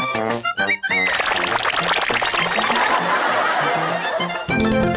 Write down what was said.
จังมุ่ง